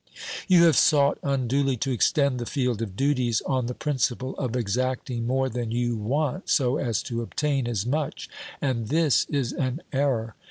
You have sought unduly to extend the field of duties, on the principle of exacting more than you want so as to obtain as much ; and this is an error.